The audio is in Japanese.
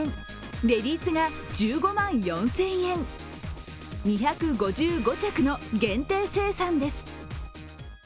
レディースが１５万４０００円２５５着の限定生産です。